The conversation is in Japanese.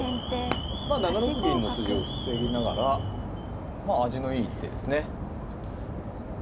７六銀の筋を防ぎながら味のいい手ですね。